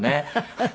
ハハハ。